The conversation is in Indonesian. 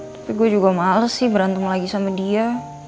tapi gue juga males sih berantem lagi sama dia